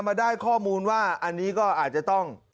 มาได้ข้อมูลว่าอันนี้ก็อาจจะต้อง